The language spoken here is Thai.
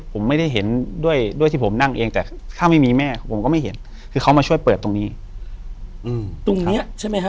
ผมไม่ได้เห็นด้วยด้วยที่ผมนั่งเองแต่ถ้าไม่มีแม่ผมก็ไม่เห็นคือเขามาช่วยเปิดตรงนี้ตรงเนี้ยใช่ไหมฮะ